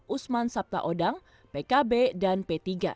usman sabtaodang pkb dan p tiga